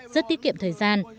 rất tiết kiệm thời gian